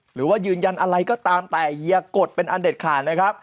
หรือว่ายืนยันอะไรก็ตามแต่อย่ากดเป็นอันเด็ดขาดนะครับ